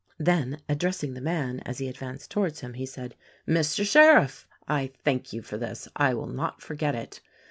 Then addressing the man as he advanced towards him he said, "Mr. Sheriff, I thank you for this; I will not forget it."